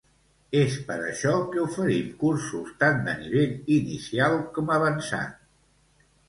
És per això que oferim cursos tant de nivell inicial com avançat.